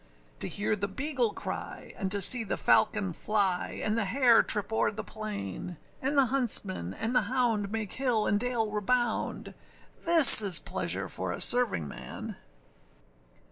To hear the beagle cry, and to see the falcon fly, And the hare trip over the plain, And the huntsmen and the hound make hill and dale rebound: This is pleasure for a servingman!